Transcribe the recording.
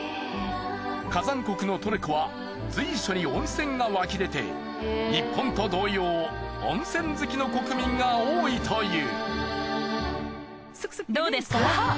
火山国のトルコは随所に温泉が湧き出て日本と同様温泉好きの国民が多いという。